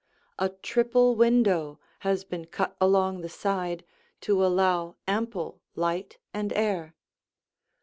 A triple window has been cut along the side to allow ample light and air.